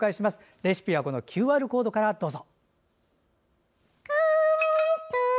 レシピはＱＲコードからどうぞ。